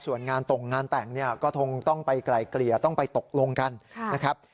ส่วนงานตรงงานแต่งเนี่ยก็คงต้องไปไกลเกลี่ยต้องไปตกลงกันนะครับ